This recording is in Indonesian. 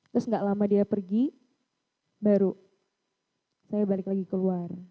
terus gak lama dia pergi baru saya balik lagi keluar